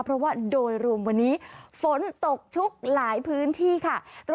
เพราะว่าโดยรวมวันนี้ฝนตกชุกหลายพื้นที่ค่ะ